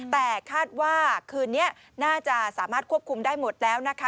แต่คาดว่าคืนนี้น่าจะสามารถควบคุมได้หมดแล้วนะคะ